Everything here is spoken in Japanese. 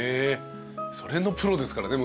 それのプロですからね